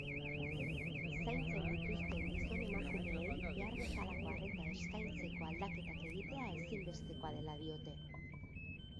Zaintzen dituzten gizon emakumeei behar bezalako arreta eskaintzeko aldaketak egitea ezinbestekoa dela diote.